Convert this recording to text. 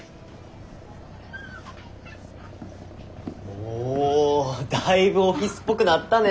おだいぶオフィスっぽくなったね。